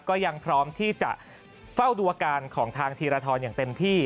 ก็ยังพร้อมที่จะเฝ้าดูอาการของทางธีรทรอย่างเต็มที่